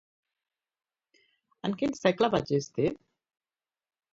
En quin segle va existir?